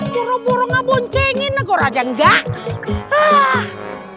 kurang kurangnya bonceng ini kurang janggak